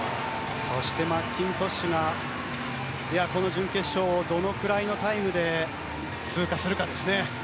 マッキントッシュがこの準決勝どのぐらいのタイムで通過するかですね。